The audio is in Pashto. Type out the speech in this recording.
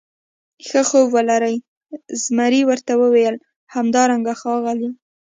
ښه خوب ولرې، زمري ورته وویل: همدارنګه ښاغلی.